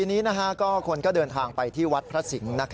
ทีนี้คนก็เดินทางไปที่วัดพระสิงห์